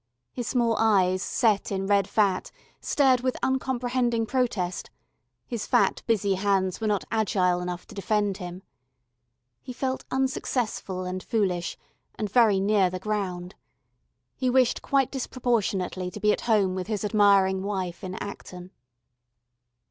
His small eyes, set in red fat, stared with uncomprehending protest; his fat busy hands were not agile enough to defend him. He felt unsuccessful and foolish, and very near the ground. He wished quite disproportionately to be at home with his admiring wife in Acton.